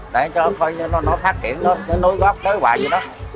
để cho nó phát triển nó nối góp tới hoài vậy đó